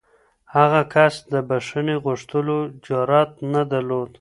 هغه کس د بښنې غوښتلو جرات نه درلود.